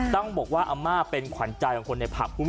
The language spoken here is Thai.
ต้องบอกว่าอัมม่าเป็นขวัญใจของคนในพลับ